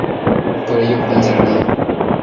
Por ello fue encerrado.